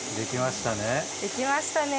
できましたね。